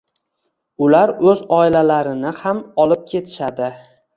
ular o‘z oilalarini ham olib ketishadi.